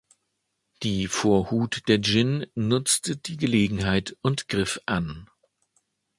Die Vorhut der Jin nutzte die Gelegenheit und griff an.